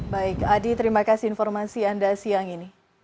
baik adi terima kasih informasi anda siang ini